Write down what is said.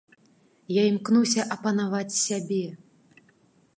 Я імкнуся апанаваць сябе.